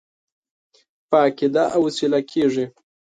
په عقیده او وسیله کېږي.